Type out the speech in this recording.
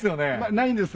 ないんです。